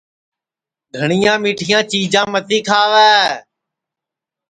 گھٹؔؔیاں میٹھیاں چیجاں متی کھاوے